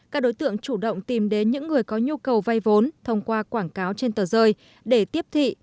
các đối tượng chủ động tìm đến những người có nhu cầu vay vốn thông qua quảng cáo trên tờ rơi để tiếp thị